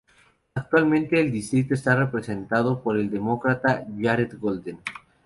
Actualmente el distrito está representado por el demócrata Jared Golden.